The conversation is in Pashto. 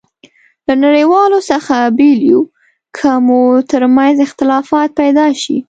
له نړیوالو څخه بېل یو، که مو ترمنځ اختلافات پيدا شي.